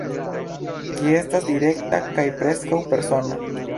Ĝi estas direkta kaj preskaŭ persona.